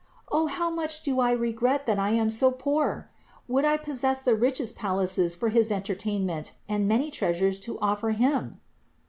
O how much do I regret that I am so poor ! Would I possessed the richest palaces for his entertainment and many treasures to offer Him